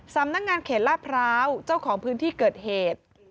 สำนักงานเขตลาดพร้าวเจ้าของพื้นที่เกิดเหตุ